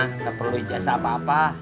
tidak perlu ijazah apa apa